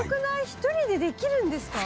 一人でできるんですか？